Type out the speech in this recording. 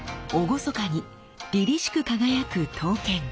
厳かにりりしく輝く刀剣。